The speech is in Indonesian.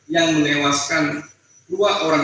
yang melewaskan dua orang